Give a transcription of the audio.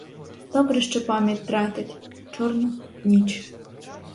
Добре, що пам'ять тратить, чорно — ніч.